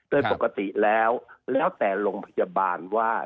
โดยปกติแล้วแล้วแต่โรงพยาบาลว่า